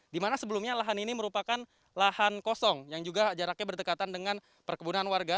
dimana sebelumnya lahan ini merupakan lahan kosong yang juga jaraknya berdekatan dengan perkebunan warga